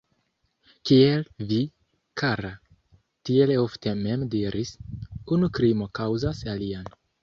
Kiel vi, kara, tiel ofte mem diris, unu krimo kaŭzas alian.